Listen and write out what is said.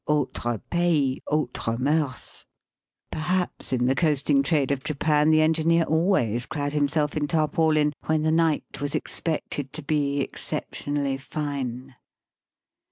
Autre pays autre mosurs. Perhaps in the coasting trade of Japan the engineer always clad himself in tarpaulin when the night was expected to be exceptionally fine.